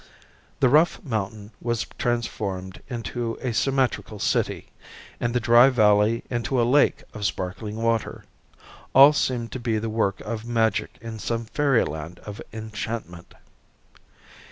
The rough mountain was transformed into a symmetrical city and the dry valley into a lake of sparkling water, all seeming to be the work of magic in some fairyland of enchantment.